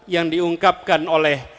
yang diungkapkan oleh